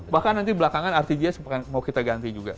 bahkan nanti belakangan rtj mau kita ganti juga